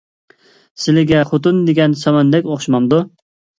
سىلىگە خوتۇن دېگەن ساماندەك ئوخشىمامدۇ؟